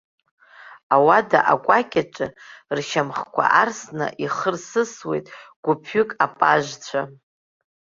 Ауада акәакь аҿы, ршьахмқәа арсны, ихырсысуеит гәыԥҩык апажцәа.